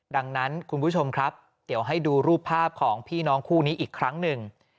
ดังนั้นคุณผู้ชมครับเดี๋ยวให้ดูรูปภาพของพี่น้องคู่นี้อีกครั้งหนึ่ง